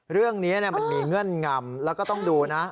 เรื่องนี้มันมีเงื่อนงำแล้วก็ต้องดูนะ